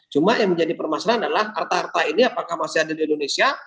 cuma yang menjadi permasalahan adalah harta harta ini apakah masih ada di indonesia